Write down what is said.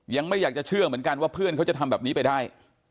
ยังไม่อยากจะเชื่อเหมือนกันว่าเพื่อนเขาจะทำแบบนี้ไปได้